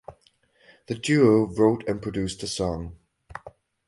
The duo wrote and produced the song.